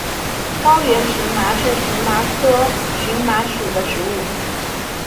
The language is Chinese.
高原荨麻是荨麻科荨麻属的植物。